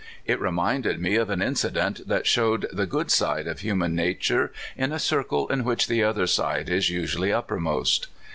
It reminded me of an incident that showed the good side of human nature in a circle in which the other side is usually uppermost.